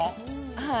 はい。